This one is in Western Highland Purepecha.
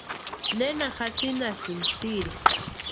¿Nena jatsinnhasïnki tsiri?